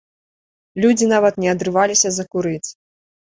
Людзі нават не адрываліся закурыць.